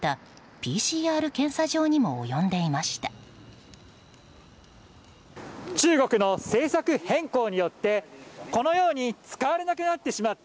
ＰＣＲ検査場にも及んでいました。